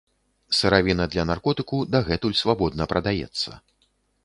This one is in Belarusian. Сыравіна для наркотыку дагэтуль свабодна прадаецца.